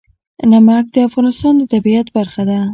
نمک د افغانستان د طبیعت برخه ده.